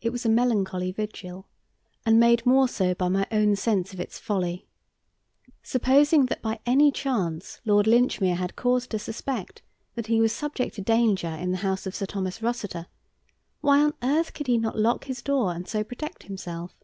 It was a melancholy vigil, and made more so by my own sense of its folly. Supposing that by any chance Lord Linchmere had cause to suspect that he was subject to danger in the house of Sir Thomas Rossiter, why on earth could he not lock his door and so protect himself?